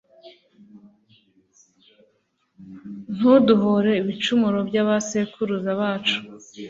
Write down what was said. ntuduhore ibicumuro by'abasekuruza bacu